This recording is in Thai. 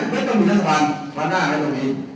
ไม่ต้องมีรัฐภัณฑ์มาน่าไงตรงนี้